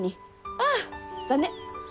ああ残念！